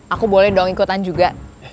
aku boleh dong ikutan juga